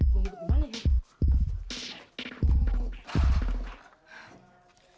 kagum berat dimana ya